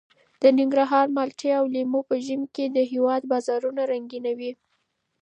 د ننګرهار مالټې او لیمو په ژمي کې د هېواد بازارونه رنګینوي.